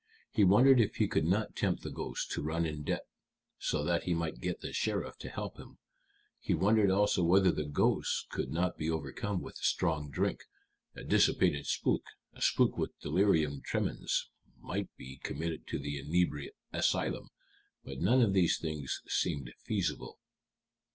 He wondered if he could not tempt the ghosts to run in debt, so that he might get the sheriff to help him. He wondered also whether the ghosts could not be overcome with strong drink a dissipated spook, a spook with delirium tremens, might be committed to the inebriate asylum. But none of these things seemed feasible."